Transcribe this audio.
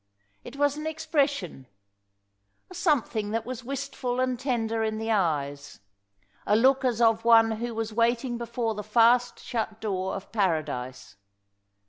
It was an expression a something that was wistful and tender in the eyes a look as of one who was waiting before the fast shut door of paradise.